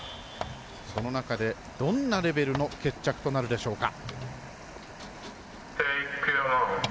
その中でどんなレベルの決着となるでしょうか。